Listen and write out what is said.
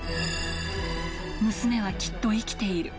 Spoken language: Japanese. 娘はきっと生きている。